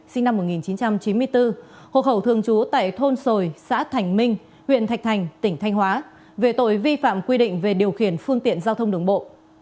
sinh năm một nghìn chín trăm chín mươi bốn hộ khẩu thường trú tại thôn sồi xã thành minh huyện thạch thành tỉnh thanh hóa về tội vi phạm quy định về điều khiển phương tiện giao thông đường bộ